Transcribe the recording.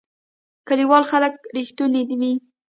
کلیوال خلک رښتونی وی